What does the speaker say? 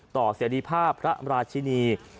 ต่อเสียดีภาพพระราชินี